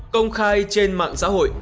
công khai trên mạng